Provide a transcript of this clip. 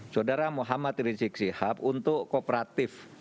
saudara muhammad rizieq syihab untuk kooperatif